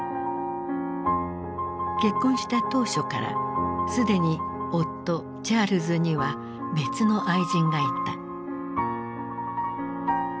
結婚した当初からすでに夫チャールズには別の愛人がいた。